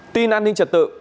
tin an ninh trật tự